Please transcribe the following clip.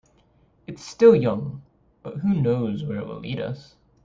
It's still young, but who knows where it will lead us.